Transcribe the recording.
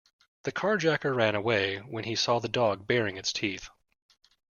The carjacker ran away when he saw the dog baring its teeth.